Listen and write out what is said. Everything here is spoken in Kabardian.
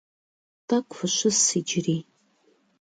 Тӏэкӏу фыщыс иджыри.